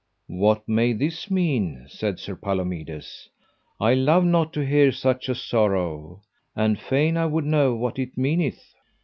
What may this mean? said Sir Palomides; I love not to hear such a sorrow, and fain I would know what it meaneth.